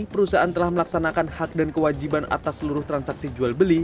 perusahaan telah melaksanakan hak dan kewajiban atas seluruh transaksi jual beli